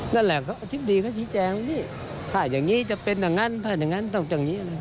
นั่นแหละอธิบดีเขาชี้แจงว่านี่ถ้าอย่างนี้จะเป็นอย่างนั้นถ้าอย่างนั้นต้องอย่างนี้